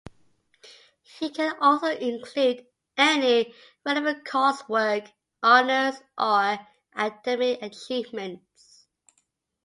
You can also include any relevant coursework, honors, or academic achievements.